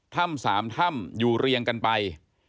ถ้ำ๓ถ้ำอยู่เรียงกันไป